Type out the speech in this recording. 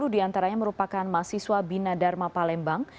dua puluh diantaranya merupakan mahasiswa bina dharma palembang